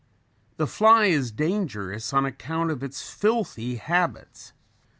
The fly is dangerous on account of its filthy habits.